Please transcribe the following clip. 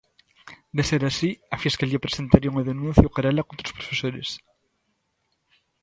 De ser así, a Fiscalía presentaría unha denuncia ou querela contra os profesores.